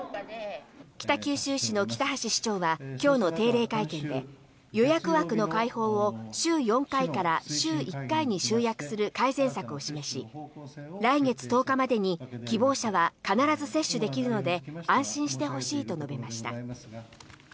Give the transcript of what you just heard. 北九州市の北橋市長は今日の定例会見で予約枠の開放を週４回から週１回に集約する改善策を示し来月１０日までに希望者は必ず接種できるので安心してほしいと述べました。